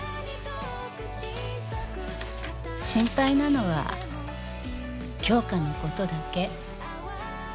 「心配なのは杏花のことだけ」